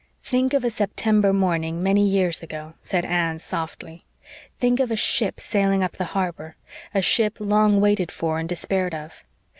"Think of a September morning many years ago," said Anne, softly. "Think of a ship sailing up the harbor a ship long waited for and despaired of.